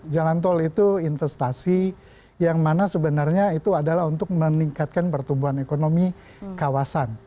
jalan tol itu investasi yang mana sebenarnya itu adalah untuk meningkatkan pertumbuhan ekonomi kawasan